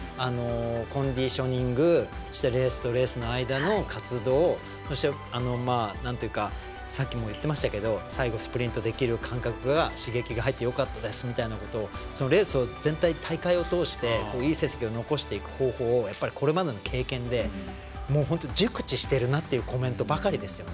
コンディショニングそしてレースとレースの間の活動そして、さっきも言っていましたが最後スプリントできる感覚が刺激が入ってよかったですみたいなことを大会を通していい成績を残していく方法をこれまでの経験で熟知しているなというコメントばかりですね。